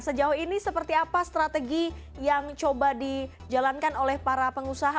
sejauh ini seperti apa strategi yang coba dijalankan oleh para pengusaha